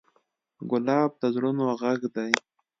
ګلاب د زړونو غږ دی.